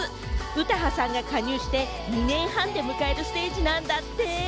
詩羽さんが加入して２年半で迎えるステージなんだって！